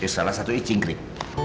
salah satu i cingkrik